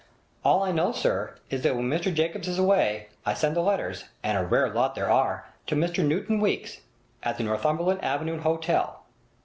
'All I know, sir, is that when Mr Jacobs is away I send the letters—and a rare lot there are—to Mr Newton Weeks, at the Northumberland Avenue Hotel.'